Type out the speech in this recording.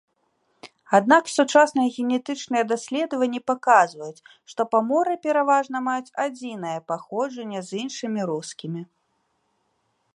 Аднак сучасныя генетычныя даследаванні паказваюць, што паморы пераважна маюць адзінае паходжанне з іншымі рускімі.